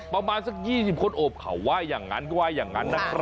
ประมาณสัก๒๐คนอบเขาว่าอย่างนั้น